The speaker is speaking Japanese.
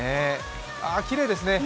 きれいですね。